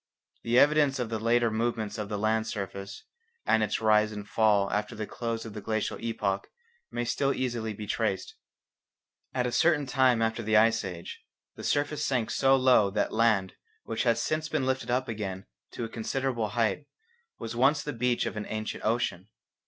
The evidence of the later movements of the land surface, and its rise and fall after the close of the glacial epoch, may still easily be traced. At a certain time after the Ice Age, the surface sank so low that land which has since been lifted up again to a considerable height was once the beach of the ancient ocean.